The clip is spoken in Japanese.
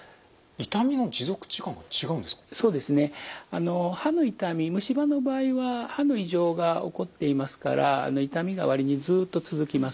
あの歯の痛み虫歯の場合は歯の異常が起こっていますから痛みが割にずっと続きます。